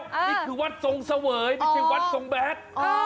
นี่คือวัดทรงเสวยไม่ใช่วัดทรงแบท